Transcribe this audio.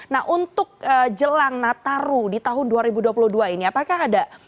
nah untuk jelang nataru di tahun dua ribu dua puluh dua ini apakah ada